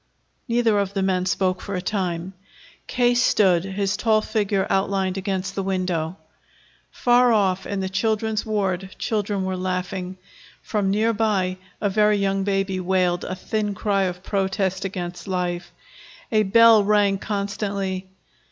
Neither of the men spoke for a time. K. stood, his tall figure outlined against the window. Far off, in the children's ward, children were laughing; from near by a very young baby wailed a thin cry of protest against life; a bell rang constantly.